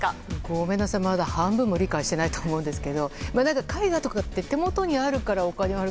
ごめんなさい、まだ半分も理解してないと思うんですが絵画とかって手元にあるからお金になる。